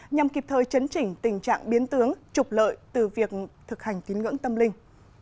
nhằm kịp thời chấn chỉnh tình trạng biến tướng trục lợi từ việc thực hành tín ngưỡng tâm linh